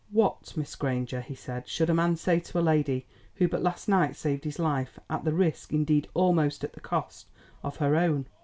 "What, Miss Granger," he said, "should a man say to a lady who but last night saved his life, at the risk, indeed almost at the cost, of her own?"